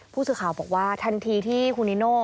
ผู้สื่อข่าวบอกว่าทันทีที่คุณนิโน่